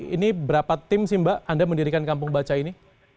ini berapa tim sih mbak anda mendirikan kampung baca ini